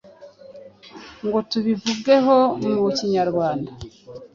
ngo tubivugeho mu Kinyarwanda